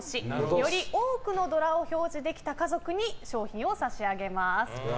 より多くのドラを表示できた家族に賞品を差し上げます。